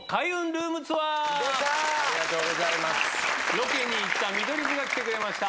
ロケに行った見取り図が来てくれました。